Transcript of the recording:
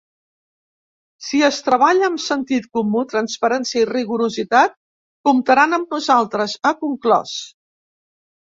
Si es treballa amb sentit comú, transparència i rigorositat “comptaran amb nosaltres”, ha conclòs.